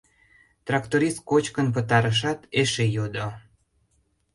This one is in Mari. Тракторист кочкын пытарышат, эше йодо.